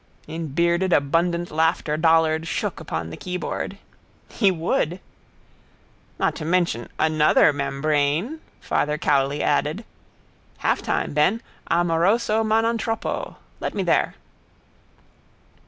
In bearded abundant laughter Dollard shook upon the keyboard. He would. —Not to mention another membrane, Father Cowley added. Half time, Ben. Amoroso ma non troppo. Let me there.